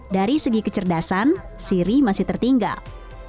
dari segi kecerdasan siri masih tertinggal